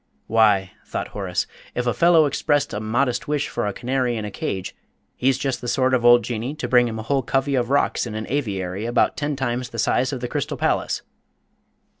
"Why," thought Horace, "if a fellow expressed a modest wish for a canary in a cage he's just the sort of old Jinnee to bring him a whole covey of rocs in an aviary about ten times the size of the Crystal Palace.